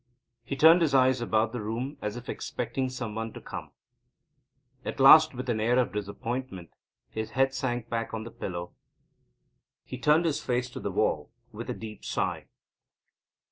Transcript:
He turned his eyes about the room, as if expecting some one to come. At last, with an air of disappointment, his head sank back on the pillow. He turned his face to the wall with a deep sigh.